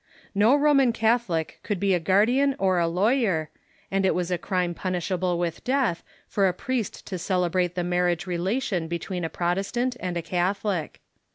No Roman Catholic could be a guardian or a lawyer, and it was a crime punishable with death for a priest to celebrate the marriage relation between a Protestant and a Catholic.